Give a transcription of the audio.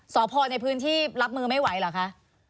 สพในพื้นที่รับมือไม่ไหวเหรอคะ